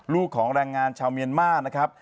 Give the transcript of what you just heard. ลูกของแรงงานชาวเมียนมาร์นะครับ